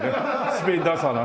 スペインダンサーの。